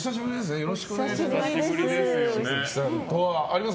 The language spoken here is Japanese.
よろしくお願いします。